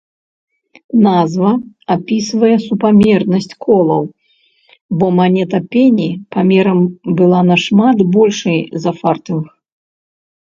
Назва апісвае супамернасць колаў, бо манета пені памерам была нашмат большай за фартынг.